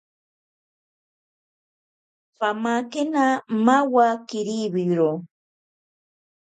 Pamakena mawa kiriwiro.